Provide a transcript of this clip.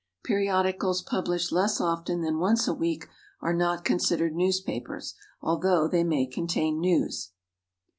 Periodicals published less often than once a week are not considered newspapers, although they may contain news.